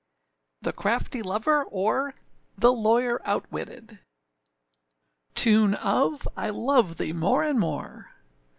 THE CRAFTY LOVER; OR, THE LAWYER OUTWITTED. Tune of I love thee more and more.